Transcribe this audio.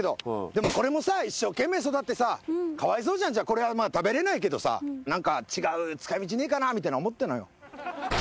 でもこれもさ一生懸命育ってさかわいそうじゃんこれはまあ食べれないけどさ何か違う使い道ねえかなみたいなの思ったのよ。